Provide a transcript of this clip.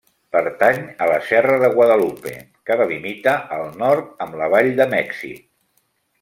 Pertany a la Serra de Guadalupe, que delimita al nord amb la Vall de Mèxic.